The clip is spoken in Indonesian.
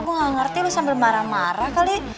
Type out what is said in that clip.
gue gak ngerti lu sambil marah marah kali